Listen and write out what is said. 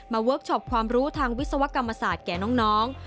เวิร์คชอปความรู้ทางวิศวกรรมศาสตร์แก่น้อง